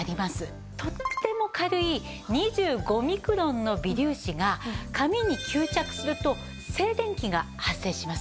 とっても軽い２５ミクロンの微粒子が髪に吸着すると静電気が発生します。